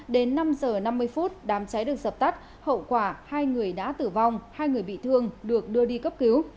đến năm h năm mươi phút đám cháy được dập tắt hậu quả hai người đã tử vong hai người bị thương được đưa đi cấp cứu